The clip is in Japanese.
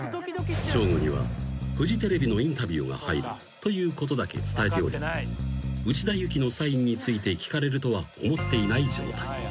［ＳＨＯＧＯにはフジテレビのインタビューが入るということだけ伝えており内田有紀のサインについて聞かれるとは思っていない状態］